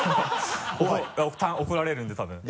怒られるんで多分。